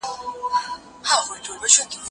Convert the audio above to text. هغه څوک چې کار کوي پرمختګ کوي؟